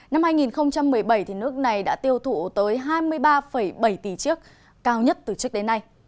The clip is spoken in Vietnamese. năm hai nghìn một mươi bảy nước này đã tiêu thụ tới hai mươi ba bảy tỷ chiếc cao nhất từ trước đến nay